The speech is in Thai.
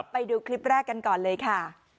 ไปดูคลิปแรกกันก่อนเลยค่ะ